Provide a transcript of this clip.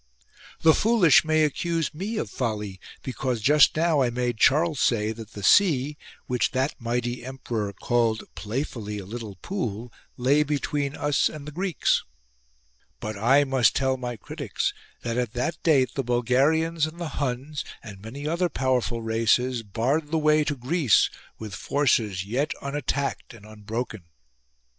27, The foolish may accuse me of folly because just now I made Charles say that the sea, which that mighty emperor called playfully a little pool, lay between us and the Greeks ; but I must tell my critics that at that date the Bulgarians and the Huns and many other powerful races barred the way to Greece with forces yet unattacked and unbroken.